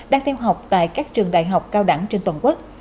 đang theo học tại các trường đại học cao đẳng trên toàn quốc